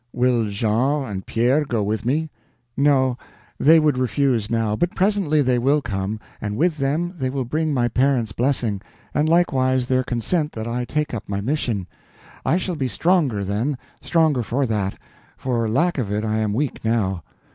"Will Jean and Pierre go with me?" "No; they would refuse now, but presently they will come, and with them they will bring my parents' blessing, and likewise their consent that I take up my mission. I shall be stronger, then—stronger for that; for lack of it I am weak now."